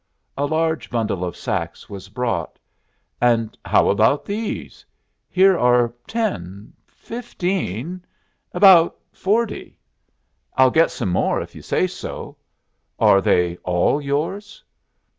A large bundle of sacks was brought. "And how about these? Here are ten, fifteen about forty. I'll get some more if you say so. Are they all yours?"